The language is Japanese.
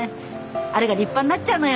あれが立派んなっちゃうのよ